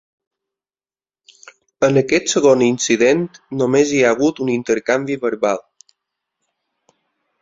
En aquest segon incident només hi ha hagut un intercanvi verbal.